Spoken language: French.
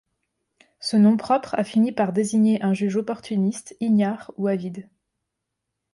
Ce nom propre a fini par désigner un juge opportuniste ignare ou avide.